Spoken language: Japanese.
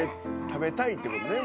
「食べたいって事ね